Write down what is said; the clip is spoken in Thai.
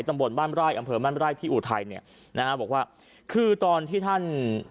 นำบ่นบ้านบร่ายอำแผนบ้านบร่ายที่อูไทน์เนี้ยนะฮะบอกว่าคือตอนที่ท่าน